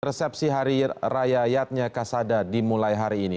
resepsi hari raya yatnya kasada dimulai hari ini